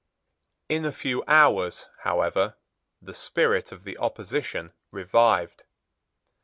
In a few hours, however, the spirit of the opposition revived.